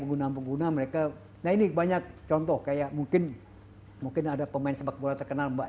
pengguna pengguna mereka nah ini banyak contoh kayak mungkin mungkin ada pemain sepak bola terkenal mbak